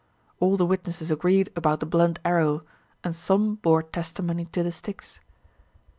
All the witnesses agreed about the blunt arrow, and some bore testimony to the sticks.